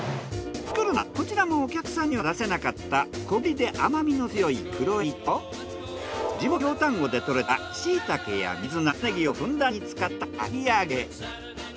作るのはこちらもお客さんには出せなかった小ぶりで甘みの強いクロエビと地元京丹後で採れたシイタケや水菜タマネギをふんだんに使ったかき揚げ。